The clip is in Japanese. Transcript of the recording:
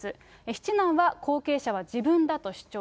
七男は、後継者は自分だと主張。